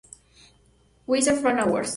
Wizard Fan Awards